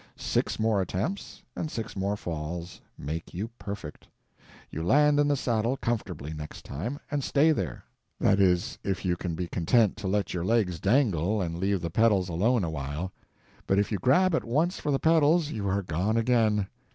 Six more attempts and six more falls make you perfect. You land in the saddle comfortably, next time, and stay there—that is, if you can be content to let your legs dangle, and leave the pedals alone a while; but if you grab at once for the pedals, you are gone again.